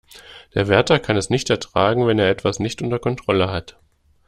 Der Wärter kann es nicht ertragen, wenn er etwas nicht unter Kontrolle hat.